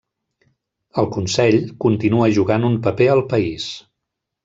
El Consell continua jugant un paper al país.